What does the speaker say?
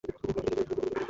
আমাদের এক খোঁচড়।